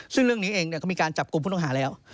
ซึ่งเรื่องนี้เองก็มีการจับกลุ่มผู้ต้องหาแล้ว